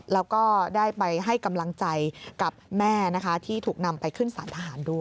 แล้วก็ได้ไปให้กำลังใจกับแม่นะคะที่ถูกนำไปขึ้นสารทหารด้วย